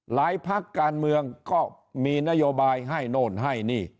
พักการเมืองก็มีนโยบายให้โน่นให้นี่